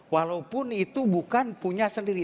walaupun itu bukan punya sendiri